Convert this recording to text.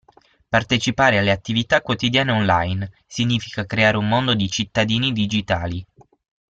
Partecipare alle attività quotidiane online, significa creare un mondo di cittadini digitali.